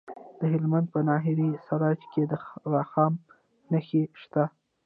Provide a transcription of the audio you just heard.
د هلمند په ناهري سراج کې د رخام نښې شته.